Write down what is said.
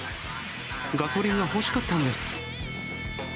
ガソリンが欲しかったんです。